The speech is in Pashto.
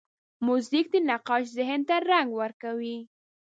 موزیک د نقاش ذهن ته رنګ ورکوي.